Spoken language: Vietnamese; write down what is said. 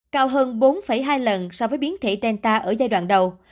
cao hơn bốn hai lần so với biến thể delta ở giai đoạn đầu